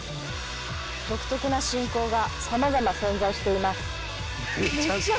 独特な信仰がさまざま存在しています。